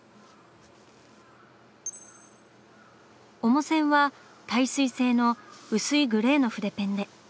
主線は耐水性の薄いグレーの筆ペンで。